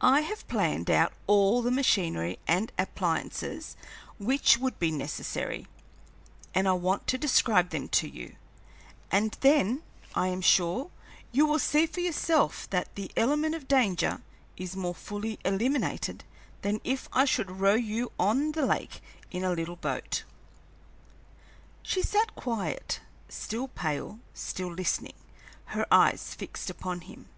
I have planned out all the machinery and appliances which would be necessary, and I want to describe them to you, and then, I am sure, you will see for yourself that the element of danger is more fully eliminated than if I should row you on the lake in a little boat." She sat quiet, still pale, still listening, her eyes fixed upon him.